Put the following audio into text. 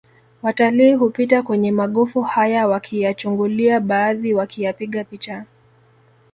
Watalii hupita kwenye magofu haya wakiyachungulia baadhi wakiyapiga picha